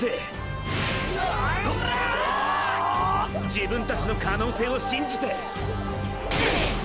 自分たちの可能性を信じて！！